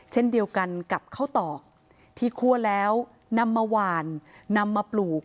เช่นเดียวกันกับข้าวตอกที่คั่วแล้วนำมาหวานนำมาปลูก